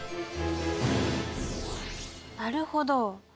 なるほど。